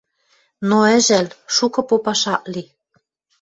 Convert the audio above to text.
Но ӹжӓл, шукы попаш ак ли —